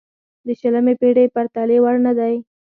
د شلمې پېړۍ پرتلې وړ نه دی.